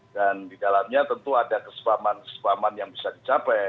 dan di dalamnya tentu ada kesepaman kesepaman yang bisa dicapai